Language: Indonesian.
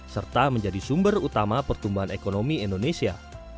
serta menjadi sumber utama pertumbuhan ekonomi indonesia